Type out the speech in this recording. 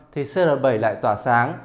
thì cr bảy lại tỏa sáng